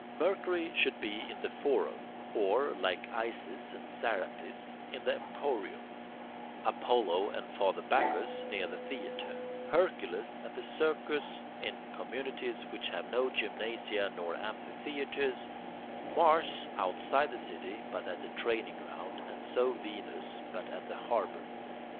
Mercury should be in the forum, or, like Isis and Serapis, in the emporium: Apollo and Father Bacchus near the theatre: Hercules at the circus in communities which have no gymnasia nor amphitheatres; Mars outside the city but at the training ground, and so Venus, but at the harbour.